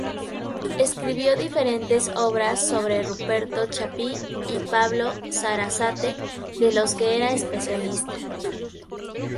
Escribió diferentes obras sobre Ruperto Chapí y Pablo Sarasate, de los que era especialista.